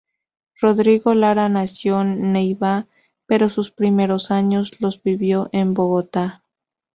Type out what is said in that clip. Rodrigo Lara nació en Neiva, pero sus primeros años los vivió en Bogotá.